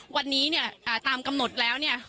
วันนี้เนี่ยตามกำหนดแล้วเนี่ย